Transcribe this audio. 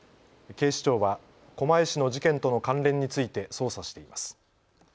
警視庁は狛江市の事件との関連について捜査しています。